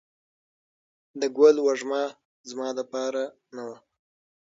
د ګل وږمه زما دپار نه وه